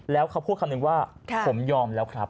แล้วเขาพูดคำนึงว่าผมยอมแล้วครับ